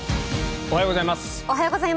おはようございます。